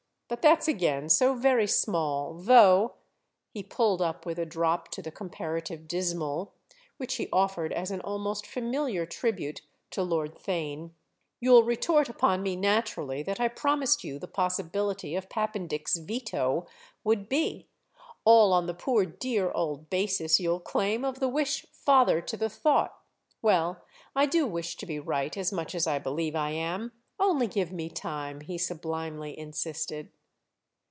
But that's again so very small—though," he pulled up with a drop to the comparative dismal, which he offered as an almost familiar tribute to Lord Theign, "you'll retort upon me naturally that I promised you the possibility of Pappendick's veto would be: all on the poor dear old basis, you'll claim, of the wish father to the thought. Well, I do wish to be right as much as I believe I am. Only give me time!" he sublimely insisted.